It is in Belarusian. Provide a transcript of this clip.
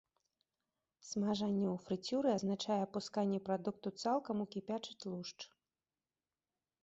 Смажанне ў фрыцюры азначае апусканне прадукту цалкам у кіпячы тлушч.